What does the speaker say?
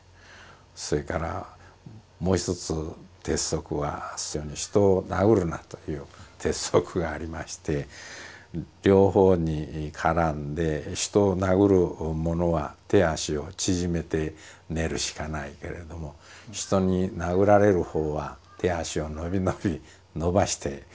それからもう一つ鉄則は「人を殴るな」という鉄則がありまして両方に絡んで人を殴る者は手足を縮めて寝るしかないけれども人に殴られるほうは手足を伸び伸び伸ばして寝られると。